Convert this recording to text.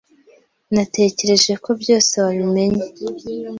Natekereje ko byose wabimenye.